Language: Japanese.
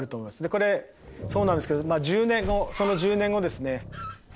これそうなんですけどその１０年後ですね